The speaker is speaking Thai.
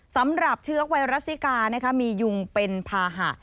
สำหรับเชื้อไวรัสซิกามียุงเป็นภาหะ